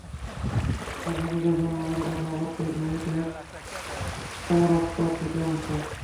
তার সাথে যখন আমরা কথা বলতে যাই, দেখ কুমারাপ্পা কী করেছে!